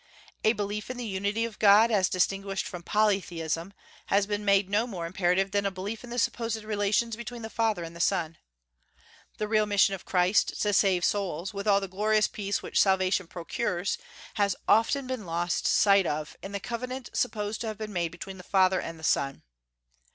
A belief in the unity of God, as distinguished from polytheism, has been made no more imperative than a belief in the supposed relations between the Father and the Son. The real mission of Christ, to save souls, with all the glorious peace which salvation procures, has often been lost sight of in the covenant supposed to have been made between the Father and the Son.